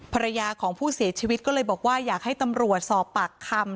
ภรรยาของผู้เสียชีวิตก็เลยบอกว่าอยากให้ตำรวจสอบปากคำ